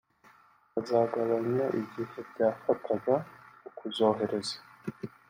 bikazagabanya igihe byafataga mu kuzohereza